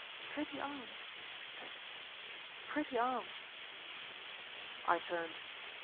"Pretty arms," she said. "Pretty arms!" I turned.